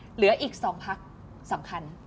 เหลืออีก๒พักสำคัญ